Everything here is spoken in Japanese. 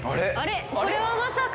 これはまさか。